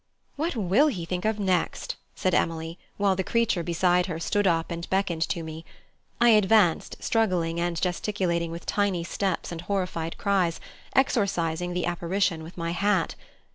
"What will he think of next!" said Emily, while the creature beside her stood up and beckoned to me. I advanced struggling and gesticulating with tiny steps and horrified cries, exorcising the apparition with my hat.